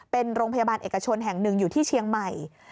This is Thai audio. เป็นโรงพยาบาลเอกชนแห่งหนึ่งอยู่ที่เชียงใหม่